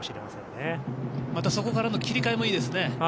またそこからの切り替えもいいですね。